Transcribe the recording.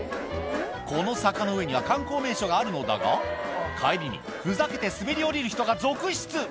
この坂の上には、観光名所があるのだが、帰りにふざけて滑り降りる人が続出。